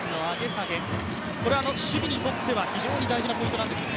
これは守備にとっては大事なポイントなんですね。